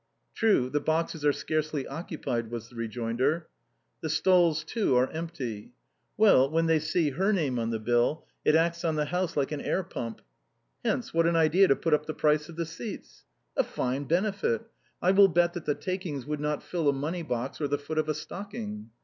" True, the boxes are scarcely occupied/' was the re joinder. " The stalls, too, are empty," " ^Yell, when they see her name on the bill, it acts on the house like an air pump." " Hence, what an idea to put up the price of the seats !" "A fine benefit. I will bet that the takings would not fill a money box or the foot of a stocking."